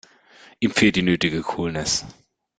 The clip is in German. Ihm fehlt die nötige Coolness.